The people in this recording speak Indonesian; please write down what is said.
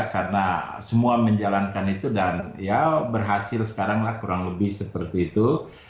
karena semua menjalankan itu dan ya berhasil sekarang kurang lebih seperti itu